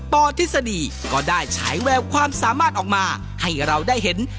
ปทฤษฎีก็ได้ฉายแววความสามารถออกมาให้เราได้เห็น